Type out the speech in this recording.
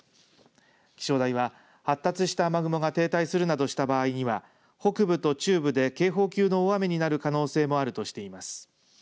気象台は発達した雨雲が停滞するなどした場合には北部と中部で警報級の大雨になる可能性もあるとしています。